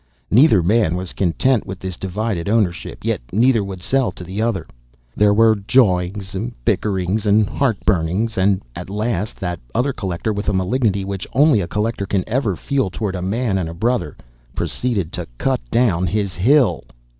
Neither man was content with this divided ownership, yet neither would sell to the other. There were jawings, bickerings, heart burnings. And at last that other collector, with a malignity which only a collector can ever feel toward a man and a brother, proceeded to cut down his hill!